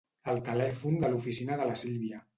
El telèfon de l'oficina de la Sílvia.